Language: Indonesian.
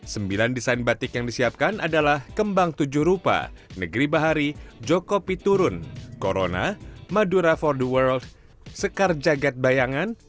sembilan desain batik yang disiapkan adalah kembang tujuh rupa negeri bahari jokopi turun corona madura for the world sekar jagad bayangan